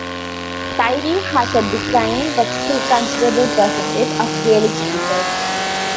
Tiree has a declining but still considerable percentage of Gaelic speakers.